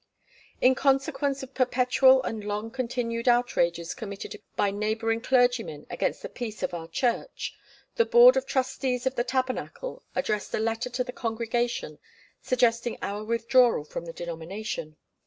In consequence of perpetual and long continued outrages committed by neighbouring clergymen against the peace of our church, the Board of Trustees of the Tabernacle addressed a letter to the congregation suggesting our withdrawal from the denomination.